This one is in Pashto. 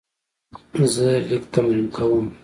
زه لیک تمرین کوم.